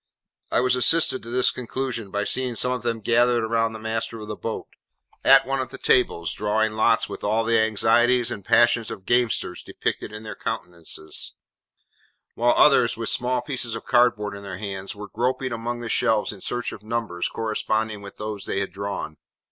I was assisted to this conclusion by seeing some of them gathered round the master of the boat, at one of the tables, drawing lots with all the anxieties and passions of gamesters depicted in their countenances; while others, with small pieces of cardboard in their hands, were groping among the shelves in search of numbers corresponding with those they had drawn.